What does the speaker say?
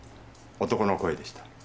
男の声でした。